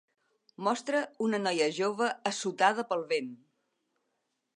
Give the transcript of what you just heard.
Mostra una noia jove assotada pel vent.